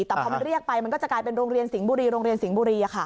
แต่พอมันเรียกไปมันก็จะกลายเป็นโรงเรียนสิงห์บุรีโรงเรียนสิงห์บุรี